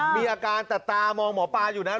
มันจะร้อนหลัก